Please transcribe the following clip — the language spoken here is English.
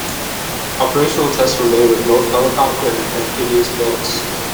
Operational tests were made with both helicopter and amphibious boats.